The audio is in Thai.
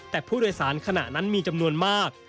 แต่ผู้โดยสารขณะนั้นมีจำนวนมาก